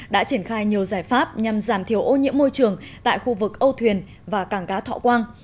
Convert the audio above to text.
đã triển khai nhiều giải pháp nhằm giảm thiểu ô nhiễm môi trường tại khu vực âu thuyền và cảng cá thọ quang